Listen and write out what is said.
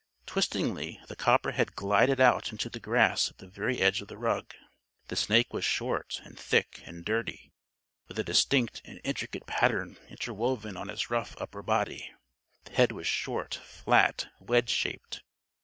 Twistingly, the copperhead glided out onto the grass at the very edge of the rug. The snake was short, and thick, and dirty, with a distinct and intricate pattern interwoven on its rough upper body. The head was short, flat, wedge shaped.